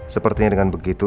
sepertinya dengan begitu